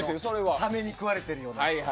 サメに食われてるようなの。